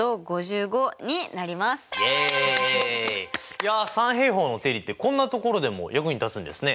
いや三平方の定理ってこんなところでも役に立つんですね。